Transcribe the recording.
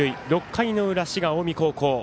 ６回の裏、滋賀、近江高校。